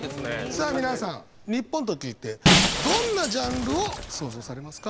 さあ皆さん日本と聞いてどんなジャンルを想像されますか？